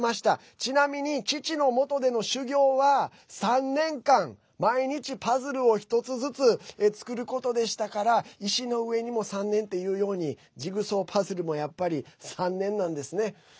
ちなみに父のもとでの修業は３年間、毎日パズルを１つずつ作ることでしたから石の上にも三年っていうようにジグソーパズルもやっぱり３年なんですね。